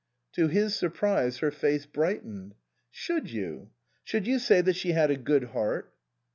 To his surprise her face brightened. " Should you? Should you say that she had a good heart?"